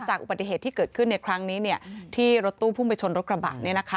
จากอุปัติเหตุที่เกิดขึ้นในครั้งนี้เนี่ยที่รถตู้ภูมิชลรถกระบังเนี่ยนะคะ